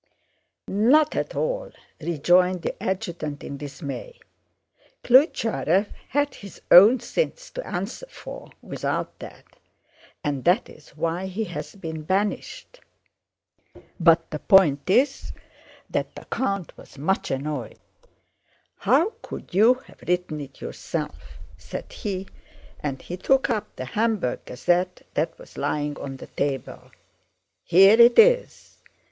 "Not at all," rejoined the adjutant in dismay. "Klyucharëv had his own sins to answer for without that and that is why he has been banished. But the point is that the count was much annoyed. 'How could you have written it yourself?' said he, and he took up the Hamburg Gazette that was lying on the table. 'Here it is!